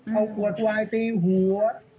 เอาขวดวายตีหัว